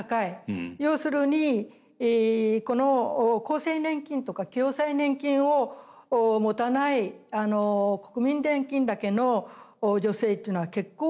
要するにこの厚生年金とか共済年金を持たない国民年金だけの女性っていうのは結構多くって。